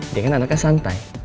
dia kan anaknya santai